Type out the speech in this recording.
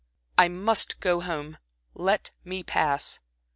I must go home. Let me pass."